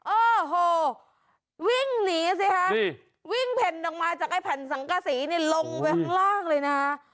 โอ้โหวิ่งหนีสิฮะวิ่งแผ่นออกมาจากไอ้แผ่นสังกษีเนี่ยลงไปข้างล่างเลยนะ